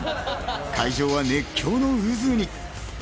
会場は熱狂の渦に。